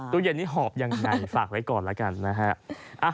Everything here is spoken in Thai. ตู้เย็นนี้หอบยังไงฝากไว้ก่อนแล้วกันนะฮะ